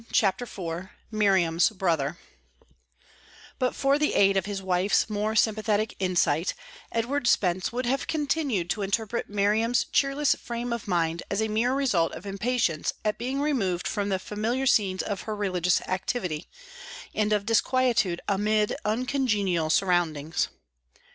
CHAPTER IV MIRIAM'S BROTHER But for the aid of his wife's more sympathetic insight, Edward Spence would have continued to interpret Miriam's cheerless frame of mind as a mere result of impatience at being removed from the familiar scenes of her religious activity, and of disquietude amid uncongenial surroundings.